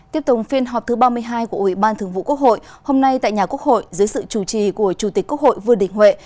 tiếp tục phiên họp thứ ba mươi hai của ủy ban thường vụ quốc hội hôm nay tại nhà quốc hội dưới sự chủ trì của chủ tịch quốc hội vương đình huệ